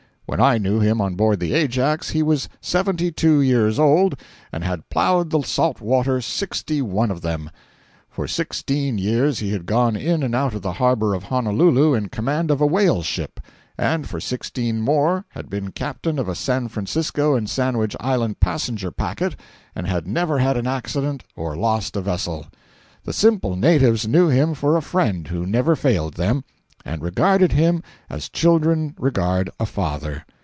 When I knew him on board the Ajax, he was seventy two years old and had plowed the salt water sixty one of them. For sixteen years he had gone in and out of the harbor of Honolulu in command of a whaleship, and for sixteen more had been captain of a San Francisco and Sandwich Island passenger packet and had never had an accident or lost a vessel. The simple natives knew him for a friend who never failed them, and regarded him as children regard a father.